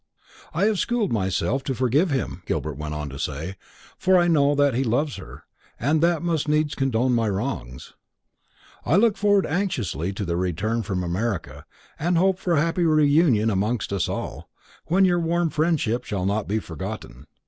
"I have schooled myself to forgive him," Gilbert went on to say, "for I know that he loves her and that must needs condone my wrongs. I look forward anxiously to their return from America, and hope for a happy reunion amongst us all when your warm friendship shall not be forgotten.